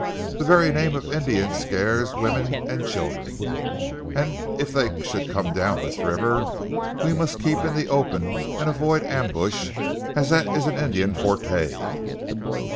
The very name of Indians scares women and children, and if they should come down this river, we must keep in the open and avoid ambush, as that is an Indian's forte."